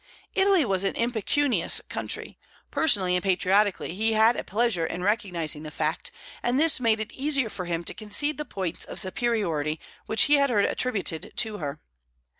Italy was an impecunious country; personally and patriotically he had a pleasure in recognizing the fact, and this made it easier for him to concede the points of superiority which he had heard attributed to her.